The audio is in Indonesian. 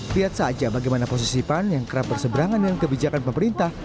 lihat saja bagaimana posisi pan yang kerap berseberangan dengan kebijakan pemerintah